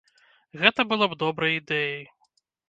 Гэта было б добрай ідэяй.